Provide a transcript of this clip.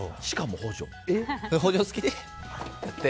補助付きでやって。